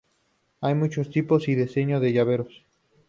Hay muchos tipos y diseños de llaveros.